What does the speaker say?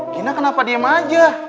gina kenapa diem aja